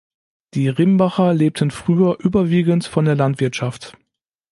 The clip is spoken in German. Die Rimbacher lebten früher überwiegend von der Landwirtschaft.